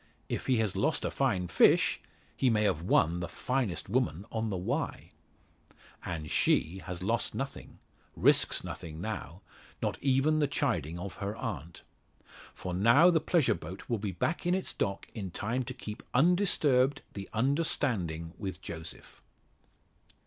If he has lost a fine fish, he may have won the finest woman on the Wye! And she has lost nothing risks nothing now not even the chiding of her aunt! For now the pleasure boat will be back in its dock in time to keep undisturbed the understanding with Joseph.